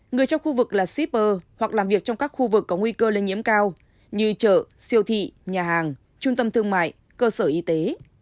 người trong khu vực là shipper hoặc làm việc trong các khu vực có nguy cơ lây nhiễm cao như chợ siêu thị nhà hàng trung tâm thương mại cơ sở y tế